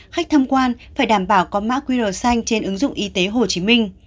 khách thăm quan phải đảm bảo có mã qr xanh trên ứng dụng y tế hồ chí minh